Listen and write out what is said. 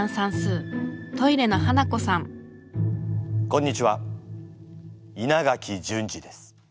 こんにちは稲垣淳二です。